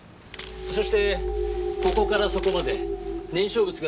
そしてここからそこまで燃焼物が動いた痕跡があります。